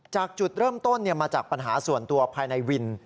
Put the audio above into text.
จากจุดเริ่มต้นมาจากปัญหาส่วนตัวภายในวิน